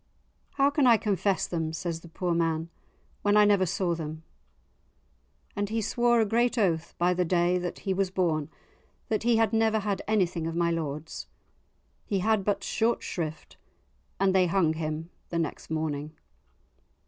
"How can I confess them," says the poor man, "when I never saw them." And he swore a great oath, by the day that he was born, that he had never had anything of my lord's. He had but short shrift and they hung him the next morning.